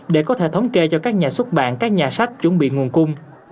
để có thể thống kê cho các nhà xuất bản các nhà sách chuẩn bị nguồn cung